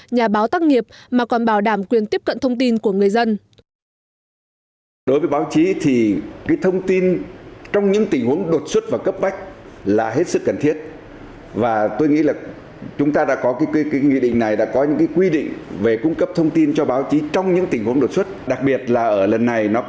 nhà báo tác nghiệp mà còn bảo đảm quyền tiếp cận thông tin của người dân